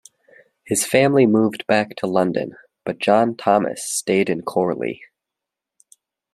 His family moved back to London, but John Thomas stayed in Chorley.